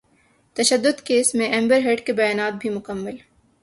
تشدد کیس میں Amber Heard کے بیانات بھی مکمل